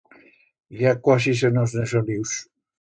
Ya cuasi se nos ne son ius.